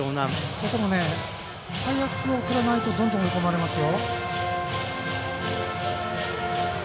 ここも早く送らないとどんどん追い込まれますよ。